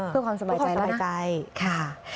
เพื่อความสบายใจค่ะ